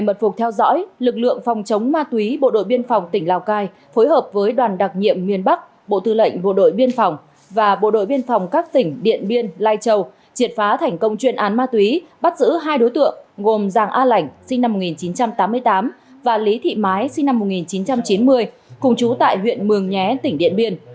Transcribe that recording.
bộ đội biên phòng tỉnh lào cai phối hợp với đoàn đặc nhiệm miền bắc bộ tư lệnh bộ đội biên phòng và bộ đội biên phòng các tỉnh điện biên lai châu triệt phá thành công chuyên án ma túy bắt giữ hai đối tượng gồm giàng a lảnh sinh năm một nghìn chín trăm tám mươi tám và lý thị mái sinh năm một nghìn chín trăm chín mươi cùng chú tại huyện mường nhé tỉnh điện biên